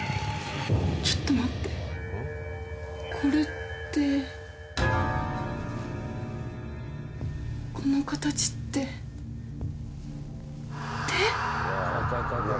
ちょっと待ってこれってこの形って手？